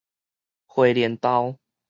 荷蘭豆